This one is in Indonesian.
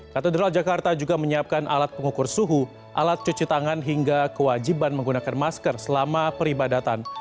katedral jakarta juga menyiapkan alat pengukur suhu alat cuci tangan hingga kewajiban menggunakan masker selama peribadatan